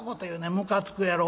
むかつくやろ。